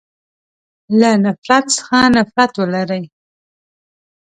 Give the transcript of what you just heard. له نفرت څخه نفرت ولری.